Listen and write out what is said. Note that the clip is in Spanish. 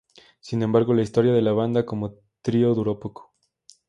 Sin embargo, la historia de la banda como trío duró poco.